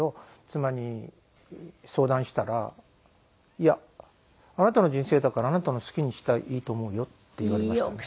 妻に相談したら「いやあなたの人生だからあなたの好きにしたらいいと思うよ」って言われましたね。